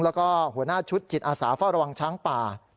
แล้วก็หัวหน้าชุดจิตอาสาเฝ้าระวังช้างป่า